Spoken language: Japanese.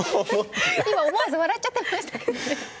今、思わず笑っちゃいましたね。